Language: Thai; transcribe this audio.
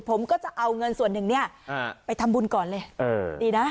ผมก็จะเอาเงินส่วนหนึ่งเนี่ยไปทำบุญก่อนเลยดีนะ